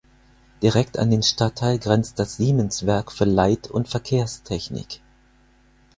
Direkt an den Stadtteil grenzt das Siemenswerk für Leit- und Verkehrstechnik.